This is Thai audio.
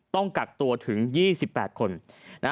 ต้องกักตัวถึง๒๘คน